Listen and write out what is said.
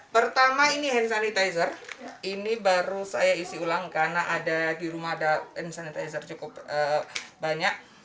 pertama ini hand sanitizer ini baru saya isi ulang karena ada di rumah ada hand sanitizer cukup banyak